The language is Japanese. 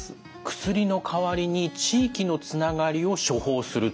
薬の代わりに地域のつながりを「処方」すると。